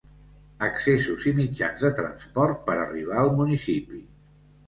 Accessos i mitjans de transport per arribar al municipi.